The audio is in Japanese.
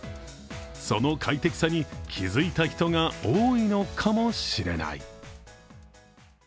その快適さに気づいた人が多いのかもしれない。